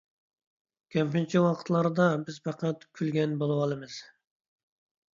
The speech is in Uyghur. كۆپىنچە ۋاقىتلاردا بىز پەقەت كۈلگەن بولىۋالىمىز